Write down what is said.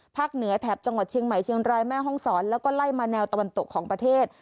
เหนือแถบจังหวัดเชียงใหม่เชียงรายแม่ห้องศรแล้วก็ไล่มาแนวตะวันตกของประเทศ